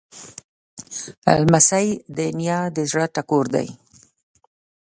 لمسی د نیا د زړه ټکور دی.